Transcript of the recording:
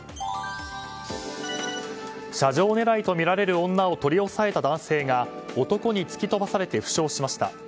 車上狙いとみられる女を取り押さえた男性が男に突き飛ばされて負傷しました。